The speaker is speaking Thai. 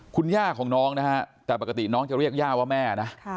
คุณย่าของน้องนะฮะแต่ปกติน้องจะเรียกย่าว่าแม่นะ